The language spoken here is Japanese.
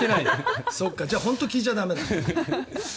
じゃあ本当に聴いちゃだめだ。